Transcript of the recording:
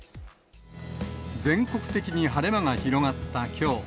全国的に晴れ間が広がったきょう。